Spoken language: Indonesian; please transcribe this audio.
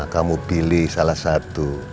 kamu pilih salah satu